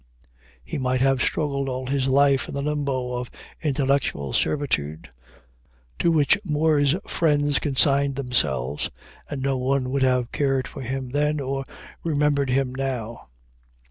He might have struggled all his life in the limbo of intellectual servitude to which Moore's friends consigned themselves, and no one would have cared for him then or remembered him now.